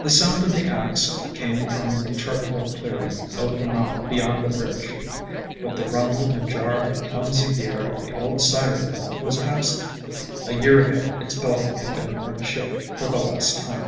The sound of the ax came from the charcoal clearing over the mountain beyond the bridge, but the rumble and jar of the clumsy gear of the old cider mill was absent; a year ago its belting had been unshipped for the last time.